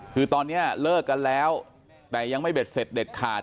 คือตอนนี้เลิกกันแล้วแต่ยังไม่เบ็ดเสร็จเด็ดขาด